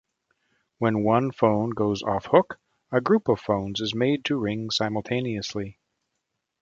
When one phone goes off-hook, a group of phones is made to ring simultaneously.